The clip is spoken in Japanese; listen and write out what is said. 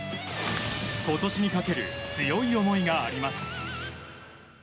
今年にかける強い思いがあります。